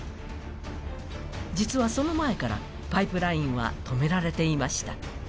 実は、その前からパイプラインは止められていました。